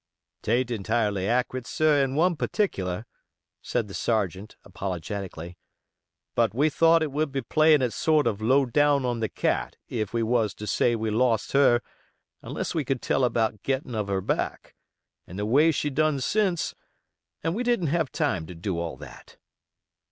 "'Taint entirely accurite, sir, in one particular," said the sergeant, apologetically; "but we thought it would be playin' it sort o' low down on the Cat if we was to say we lost her unless we could tell about gittin' of her back, and the way she done since, and we didn't have time to do all that."